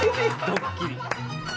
ドッキリ。